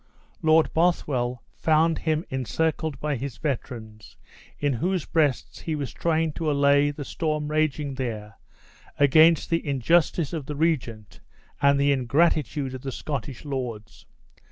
Lord Bothwell found him encircled by his veterans, in whose breasts he was trying to allay the storm raging there against the injustice of the regent and the ingratitude of the Scottish lords.